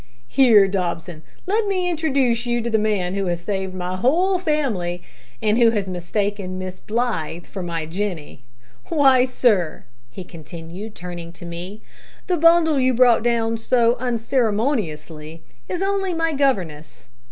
"Here, Dobson, let me introduce you to the man who has saved my whole family, and who has mistaken Miss Blythe for my Jenny! Why, sir," he continued, turning to me, "the bundle you brought down so unceremoniously is only my governess.